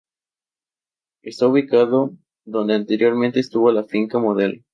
Está ubicado donde anteriormente estuvo la Finca Modelo.